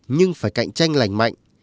nhưng phải cạnh tranh lành mạnh